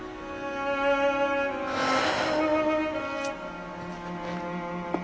はあ。